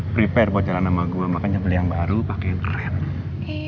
prepare buat jalan sama gua malah kan nyambil yang baru pake yang keren